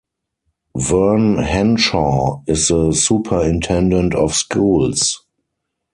Vern Henshaw is the Superintendent of Schools.